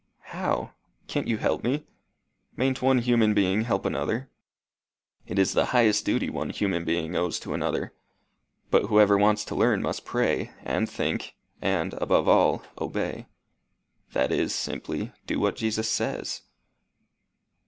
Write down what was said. how? Can't you help me? Mayn't one human being help another?" "It is the highest duty one human being owes to another. But whoever wants to learn must pray, and think, and, above all, obey that is simply, do what Jesus says."